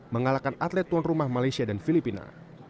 mengalahkan atlet tuan rumah malaysia dan filipina